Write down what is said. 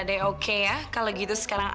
oke deh oke ya kalau gitu sekarang